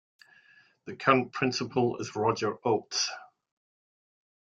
The current principal is Roger Oates.